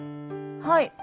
はい。